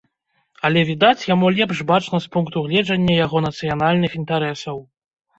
Але, відаць, яму лепш бачна з пункту гледжання яго нацыянальных інтарэсаў.